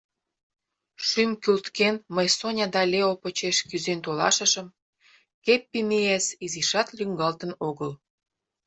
Шӱм кӱлткен, мый Соня да Лео почеш кӱзен толашышым, Кеппимиэс изишат лӱҥгалтын огыл.